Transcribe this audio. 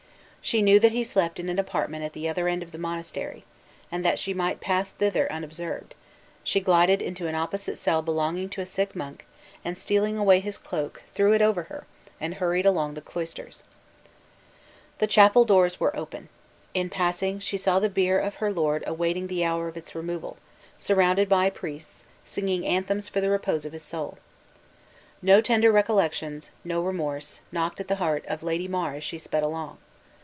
She knew that he slept in an apartment at the other end of the monastery; and that she might pass thither unobserved, she glided into an opposite cell belonging to a sick monk, and stealing away his cloak, threw it over her, and hurried along the cloisters. The chapel doors were open. In passing, she saw the bier of her lord awaiting the hour of its removal, surrounded by priests, singing anthems for the repose of his soul. No tender recollections, no remorse, knocked at the heart of Lady mar as she sped along.